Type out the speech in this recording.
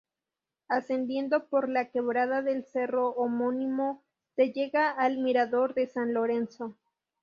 Ascendiendo por la quebrada del cerro homónimo, se llega al mirador de San Lorenzo.